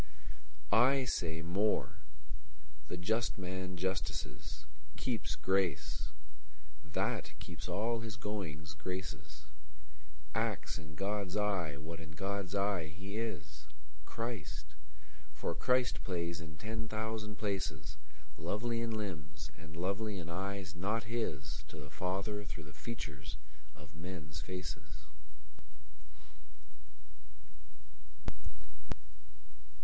Í say móre: the just man justices; Kéeps gráce: thát keeps all his goings graces; Acts in God's eye what in God's eye he is—Chríst—for Christ plays in ten thousand places, Lovely in limbs, and lovely in eyes not hisTo the Father through the features of men's faces.